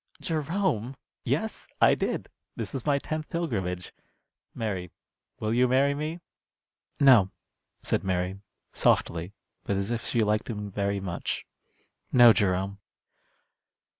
"Jerome!" "Yes, I did. This is my tenth pilgrimage. Mary, will you marry me?" "No," said Mary, softly, but as if she liked him very much. "No, Jerome."